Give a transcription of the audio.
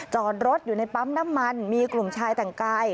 จอดรถอยู่ในปั๊มน้ำมันมีกลุ่มชายแต่งกาย